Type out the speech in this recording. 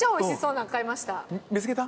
見つけた？